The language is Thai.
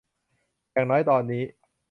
อย่างน้อยตอนนี้